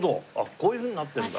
こういうふうになってるんだ。